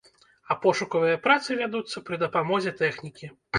А пошукавыя працы вядуцца пры дапамозе тэхнікі.